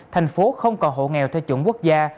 thành phố không còn hộ nghèo theo chuẩn quốc gia